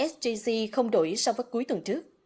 sgc không đổi sau vất cuối tuần trước